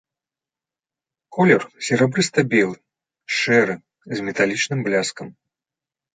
Колер серабрыста-белы, шэры, з металічным бляскам.